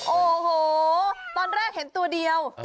โอ้โหตอนแรกเห็นตัวเดียว